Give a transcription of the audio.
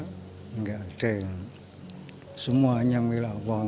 tidak ada yang semuanya milah allah